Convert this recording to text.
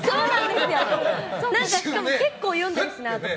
結構読んでるしなとか。